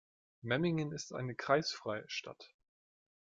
Memmingen ist eine kreisfreie Stadt.